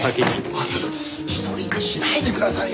あっちょっと１人にしないでくださいよ。